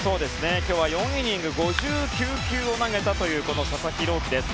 今日は４イニング５９球を投げた佐々木朗希です。